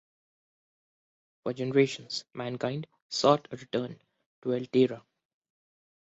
For generations, mankind sought a return to Alterra.